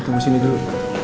tunggu sini dulu